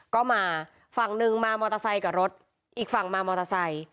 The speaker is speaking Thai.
ก็มาฝั่งหนึ่งมามอเตอร์ไซค์กับรถอีกฝั่งมามอเตอร์ไซค์